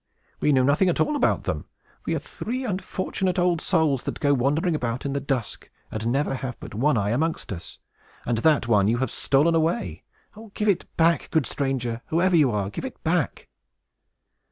We know nothing at all about them. We are three unfortunate old souls, that go wandering about in the dusk, and never had but one eye amongst us, and that one you have stolen away. Oh, give it back, good stranger! whoever you are, give it back!"